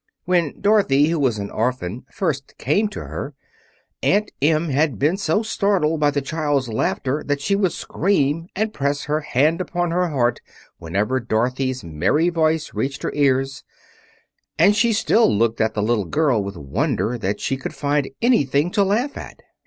When Dorothy, who was an orphan, first came to her, Aunt Em had been so startled by the child's laughter that she would scream and press her hand upon her heart whenever Dorothy's merry voice reached her ears; and she still looked at the little girl with wonder that she could find anything to laugh at.